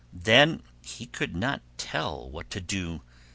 Then he could not tell what to do.